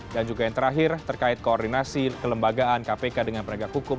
dan juga yang terakhir terkait koordinasi kelembagaan kpk dengan peringkat hukum